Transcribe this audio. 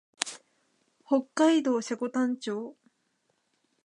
北海道積丹町